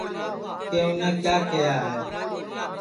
کہ اُنے کیا کیہیا ہے